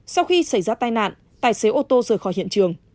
sau khi xảy ra tai nạn tài xế ô tô rời khỏi hiện trường